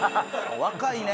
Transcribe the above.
若いね。